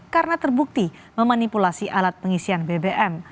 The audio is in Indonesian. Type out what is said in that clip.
karena terbukti memanipulasi alat pengisian bbm